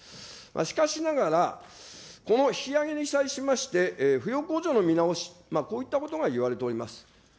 しかしながら、この引き上げに際しまして、扶養控除の見直し、こういったことが言われております。